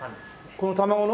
この卵の？